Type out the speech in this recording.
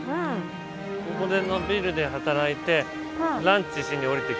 ここのビルで働いてランチしに下りてきたいよね。